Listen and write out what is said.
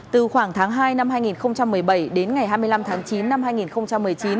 từ khoảng tháng hai năm hai nghìn một mươi bảy đến ngày hai mươi năm tháng chín năm hai nghìn một mươi chín